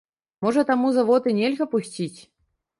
Можа, таму завод і нельга пусціць?